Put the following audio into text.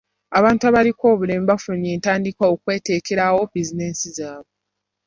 Abantu abalinko obulemu bafunye entandikwa okweteekerawo bizinensi zaabwe.